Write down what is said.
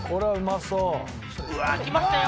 うわきましたよ